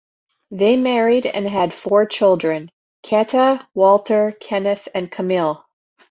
They married and had four children: Keta, Walter, Kenneth and Camille.